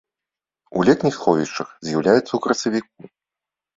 У летніх сховішчах з'яўляецца ў красавіку.